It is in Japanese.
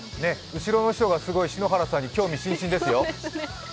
後ろの人がすごい篠原さんに興味津々ですよ。